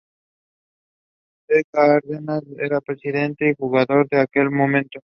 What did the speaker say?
De Cárdenas era presidente y jugador en aquel momento.